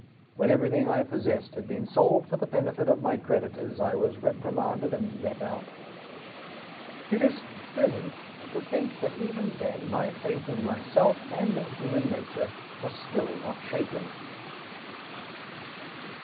When everything I possessed had been sold for the benefit of my creditors, I was reprimanded and let out. It is pleasant to think that, even then, my faith in myself and in human nature was still not shaken.